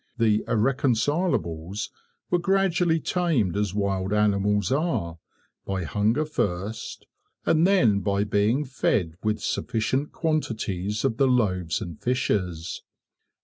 The irreconcilables were gradually tamed as wild animals are by hunger first, and then by being fed with sufficient quantities of the loaves and fishes.